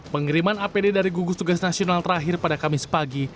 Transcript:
pengiriman apd dari gugus tugas nasional terakhir pada kamis pagi